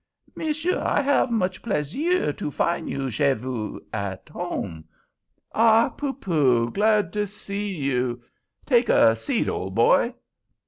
"Monsieur, I have much plaisir to fin' you, chez vous, at home." "Ah, Poopoo! glad to see you. Take a seat, old boy."